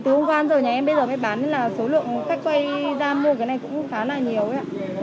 từ không gian rồi nhà em bây giờ mới bán nên là số lượng khách quay ra mua cái này cũng khá là nhiều đấy ạ